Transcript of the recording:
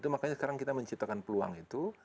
makanya sekarang kita menciptakan peluang itu